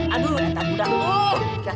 aduh datang budak